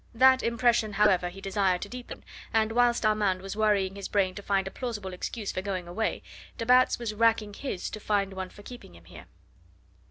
That impression, however, he desired to deepen, and whilst Armand was worrying his brain to find a plausible excuse for going away, de Batz was racking his to find one for keeping him here.